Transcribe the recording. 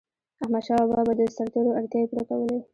احمدشاه بابا به د سرتيرو اړتیاوي پوره کولي.